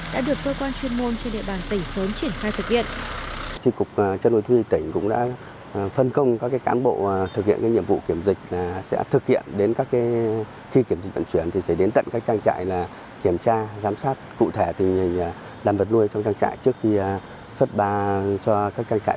đã được cơ quan chuyên môn trên địa bàn tỉnh sớm triển khai thực hiện